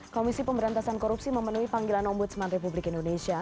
komisi pemberantasan korupsi memenuhi panggilan ombudsman republik indonesia